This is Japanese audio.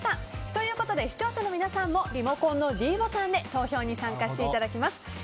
ということで視聴者の皆さんもリモコンのｄボタンで投票に参加していただきます。